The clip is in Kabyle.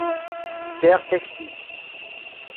Sɛiɣ takti.